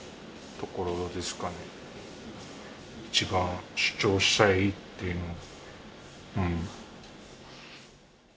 一番主張したいっていうのは。